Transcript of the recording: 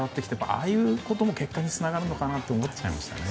ああいうことも結果につながるのかなと思いましたね。